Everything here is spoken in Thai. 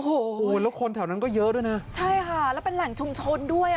โอ้โหแล้วคนแถวนั้นก็เยอะด้วยนะใช่ค่ะแล้วเป็นแหล่งชุมชนด้วยอ่ะ